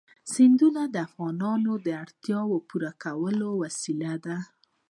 سیندونه د افغانانو د اړتیاوو د پوره کولو وسیله ده.